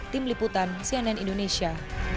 tim liputan cnn indonesia